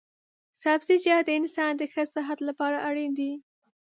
سبزيجات د انسان د ښه صحت لپاره اړين دي